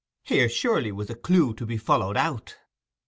Here, surely, was a clue to be followed out.